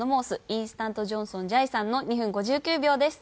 インスタントジョンソンじゃいさんの２分５９秒です。